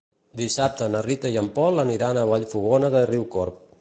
Dissabte na Rita i en Pol aniran a Vallfogona de Riucorb.